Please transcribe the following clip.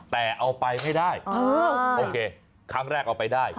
แต่เอาไปไม่ได้โอเคครั้งแรกเอาไปได้